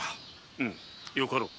うんよかろう。